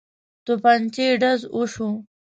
توپنچې ډز وشو.